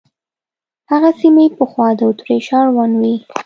هغه سیمې پخوا د اتریش اړوند وې.